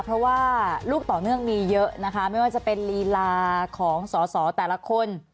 เพราะว่าลูกต่อเนื่องมีเยอะนะคะไม่ว่าจะเป็นลีลาของสอสอแต่ละคน